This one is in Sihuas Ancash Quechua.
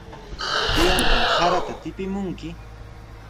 ¿Piwantaq sarata tipimunki?